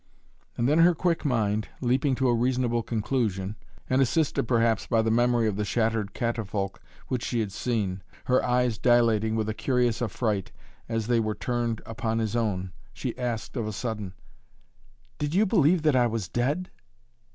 And then her quick mind, leaping to a reasonable conclusion, and assisted perhaps by the memory of the shattered catafalque which she had seen, her eyes dilating with a curious affright as they were turned upon his own, she asked of a sudden: "Did you believe that I was dead?"